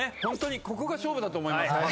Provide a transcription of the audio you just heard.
ホントにここが勝負だと思います。